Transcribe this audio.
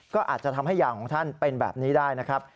ก็อาจจะทำให้ยางของท่านเป็นแบบนี้ได้นะครับ